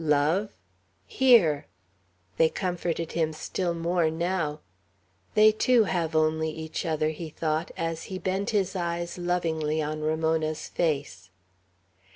"Love?" "Here!" They comforted him still more now. "They too have only each other," he thought, as he bent his eyes lovingly on Ramona's face.